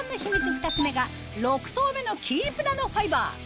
２つ目が６層目のキープナノファイバー